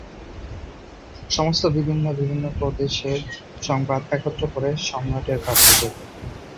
সমস্ত বিভিন্ন বিভিন্ন প্রদেশের সংবাদ একত্র করে সম্রাটের কাছে যেত।